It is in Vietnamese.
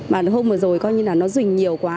mà hôm vừa rồi coi như là nó dình nhiều quá